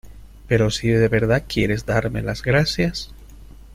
pero si de verdad quieres darme las gracias